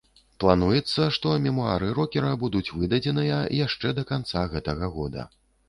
Плануецца, што мемуары рокера будуць выдадзеныя яшчэ да канца гэтага года.